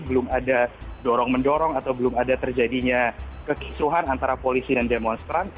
belum ada dorong mendorong atau belum ada terjadinya kekisruhan antara polisi dan demonstran